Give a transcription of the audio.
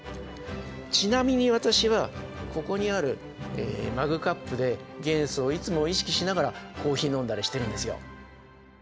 ちなみに私はここにあるマグカップで元素をいつも意識しながらコーヒー飲んだりしてるんですよ。